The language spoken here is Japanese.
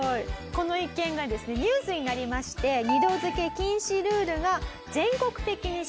この一件がですねニュースになりまして二度づけ禁止ルールが全国的に知られるようになりました。